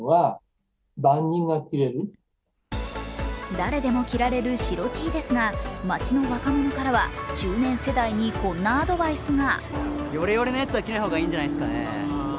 誰でも着られる白Ｔですが街の若者たちからは中年世代にこんなアドバイスが。